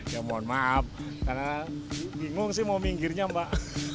ya mohon maaf karena bingung sih mau minggirnya mbak